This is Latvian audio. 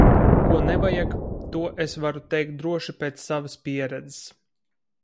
Ko nevajag. To es varu teikt droši pēc savas pieredzes.